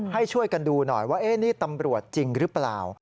ให้ช่วยกันดูหน่อยว่านี่ตำรวจจริงหรือเปล่า